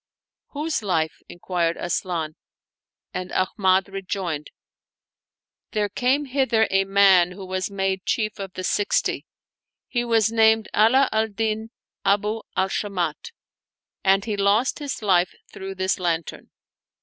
" Whose life? " inquired Asian; and Ahmad rejoined, "There came hither a man who was made Qiief of the Sixty; he was named Ala al Din Abu al Shamat, and he lost his life through this lantern."